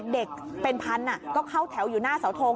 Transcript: เด็กเป็นพันก็เข้าแถวอยู่หน้าเสาทง